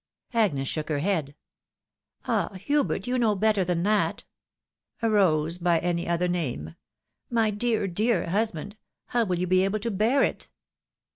Agnes shook her head: "Ah! Hubert, you know better than that ! A rose by any other name — my dear, dear husband ! How will you be able to bear it?